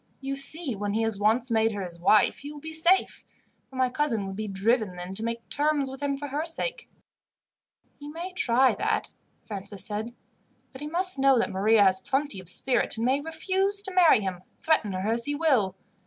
"You see, when he has once made her his wife he will be safe, for my cousin would be driven then to make terms with him for her sake." "He may try that," Francis said; "but he must know that Maria has plenty of spirit, and may refuse to marry him, threaten her as he will.